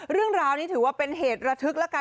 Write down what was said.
เรื่องราวนี้ถือว่าเป็นเหตุระทึกแล้วกัน